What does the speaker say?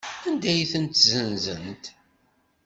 Anda ay ten-ssenzent?